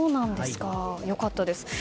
良かったです。